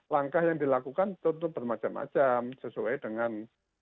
langkah yang dilakukan tentu bermacam macam sesuai dengan